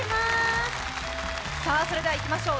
それではいきましょう。